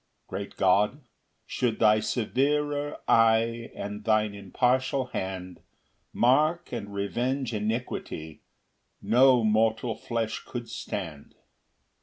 2 Great God, should thy severer eye, And thine impartial hand, Mark and revenge iniquity, No mortal flesh could stand.